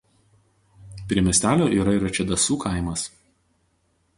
Prie miestelio yra ir Čedasų kaimas.